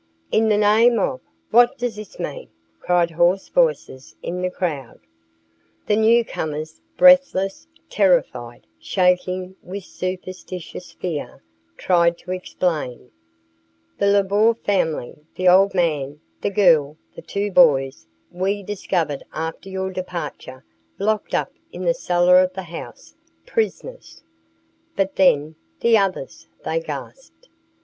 "In the name of , what does this mean?" cried hoarse voices in the crowd. The new comers, breathless, terrified, shaking with superstitious fear, tried to explain. "The Lebeau family the old man, the girl, the two boys we discovered after your departure, locked up in the cellar of the house prisoners." "But, then the others?" they gasped.